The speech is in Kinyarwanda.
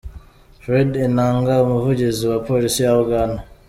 Fred Enanga, Umuvugizi wa Polisi ya Uganda.